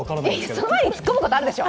その前にツッコむところあるでしょ。